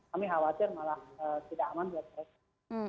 kami khawatir malah tidak aman